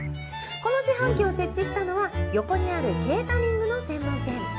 この自販機を設置したのは、横にあるケータリングの専門店。